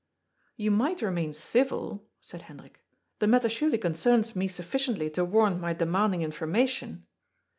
" You might remain civil," said Hendrik. " The matter surely concerns me sufficiently to warrant my demanding information."